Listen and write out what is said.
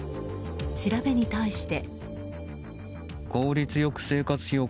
調べに対して。